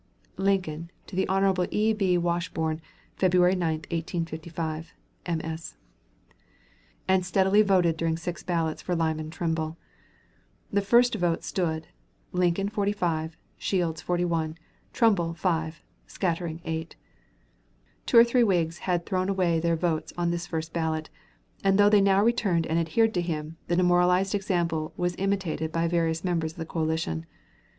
Lincoln to the Hon. E. B. Washburne, February 9, 1855. MS.] and steadily voted during six ballots for Lyman Trumbull. The first vote stood: Lincoln, 45; Shields, 41; Trumbull, 5; scattering, 8. Two or three Whigs had thrown away their votes on this first ballot, and though they now returned and adhered to him, the demoralizing example was imitated by various members of the coalition.